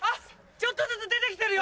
ちょっとずつ出て来てるよ！